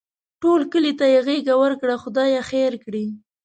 ټول کلي ته یې غېږه ورکړې؛ خدای خیر کړي.